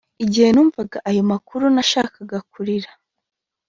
Igihe numvaga ayo makuru nashakaga kurira